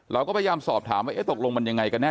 เราก็พยายามสอบถามว่าเอ๊ะตกลงมันยังไงกันแน